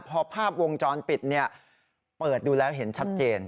พอภาพวงจรปิดเปิดดูแล้วเห็นชัดเจน